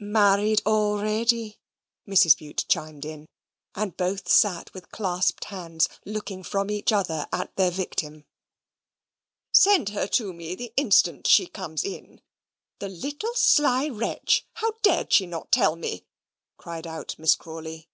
"Married already," Mrs. Bute chimed in; and both sate with clasped hands looking from each other at their victim. "Send her to me, the instant she comes in. The little sly wretch: how dared she not tell me?" cried out Miss Crawley.